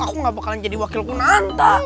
aku gak bakalan jadi wakil ke nanta